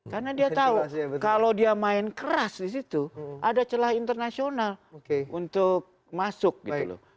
karena dia tahu kalau dia main keras disitu ada celah internasional untuk masuk gitu loh